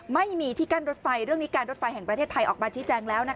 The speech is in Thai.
ไม่มีที่กั้นรถไฟเรื่องนี้การรถไฟแห่งประเทศไทยออกมาชี้แจงแล้ว